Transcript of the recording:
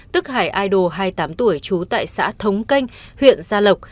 tức hải ido hai mươi tám tuổi trú tại xã thống canh huyện gia lộc